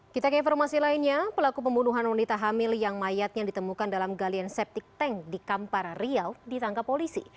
kita ke informasi lainnya pelaku pembunuhan wanita hamil yang mayatnya ditemukan dalam galian septic tank di kampar riau ditangkap polisi